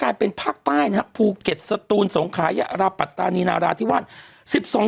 ใช่เป็นปักใต้ภูเกร็จสตูหนสงขารปรตรานีหนาราธิวัน